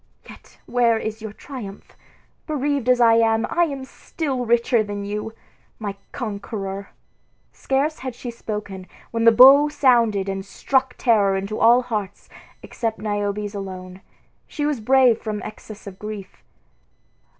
Yet where is your triumph? Bereaved as I am, I am still richer than you, my conqueror." Scarce had she spoken, when the bow sounded and struck terror into all hearts except Niobe's alone. She was brave from excess of grief.